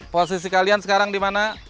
posisi kalian sekarang dimana